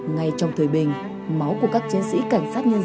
ngay trong thời bình máu của các chiến sĩ cảnh sát nhân dân vẫn đổ